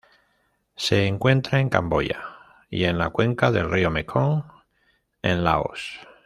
Se encuentra en Camboya y en la cuenca del río Mekong en Laos.